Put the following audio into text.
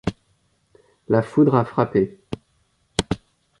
La foudre a frappé.